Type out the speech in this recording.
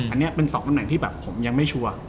อันนี้เป็น๒ตำแหน่งที่แบบผมยังไม่ชัวร์